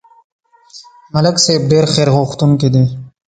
ملک صاحب ډېر خیرغوښتونکی دی.